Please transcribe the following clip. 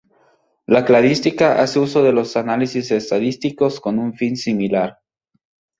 La cladística hace uso de los análisis estadísticos con un fin similar.